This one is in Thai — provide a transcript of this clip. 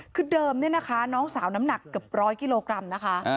คือเดิมเนี่ยนะคะน้องสาวน้ำหนักเกือบร้อยกิโลกรัมนะคะ